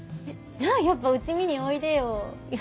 じゃあやっぱ家見においでよ。